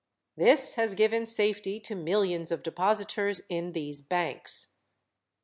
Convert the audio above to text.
This has given safety to millions of depositors in these banks.